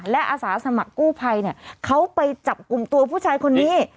และอาสาสมัครกู้ภัยเขาไปจับกลุ่มตัวผู้ชายคนนี้